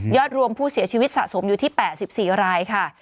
รวมผู้เสียชีวิตสะสมอยู่ที่๘๔รายค่ะ